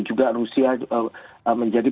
juga rusia menjadi